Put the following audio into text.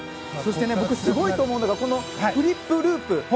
そしてすごいと思うのがフリップ、ループ。